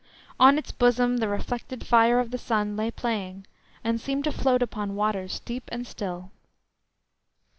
On its bosom the reflected fire of the sun lay playing, and seeming to float upon waters deep and still.